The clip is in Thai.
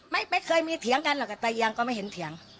ไม่เคยมีเถียงกันหรอกกับตายางก็ไม่เห็นเถียง